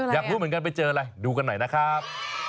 อยากรู้เหมือนกันไปเจออะไรดูกันหน่อยนะครับ